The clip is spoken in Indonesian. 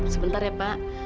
sebentar ya mbak